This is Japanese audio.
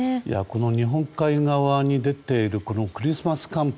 日本海側に出ているクリスマス寒波。